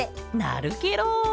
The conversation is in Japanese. なるケロ！